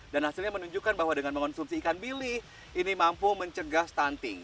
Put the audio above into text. dan hasilnya menunjukkan bahwa dengan mengonsumsi ikan bilik ini mampu mencegah stunting